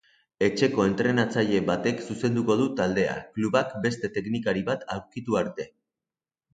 Etxeko entrenatzaile batek zuzenduko du taldea, klubak beste teknikari bat aurkitu arte.